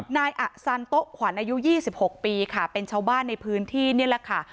นายอสันโต๊ะขวัญอายุ๒๖ปีค่ะเป็นชาวบ้านในพื้นที่นี่แหละค่ะ